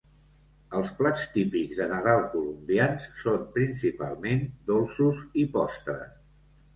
Els plats típics de Nadal colombians són principalment dolços i postres.